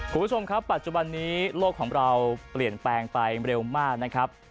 คุณผู้ชมครับปัจจุบันนี้โลกของเราเปลี่ยนแปลงไปเร็วมากนะครับ